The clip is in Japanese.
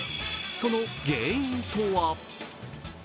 その原因とは？